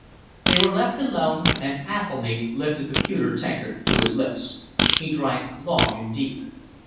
They were left alone, and Athelny lifted the pewter tankard to his lips. He drank long and deep.